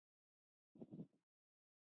مورغاب سیند د افغان ماشومانو د لوبو موضوع ده.